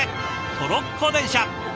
トロッコ電車。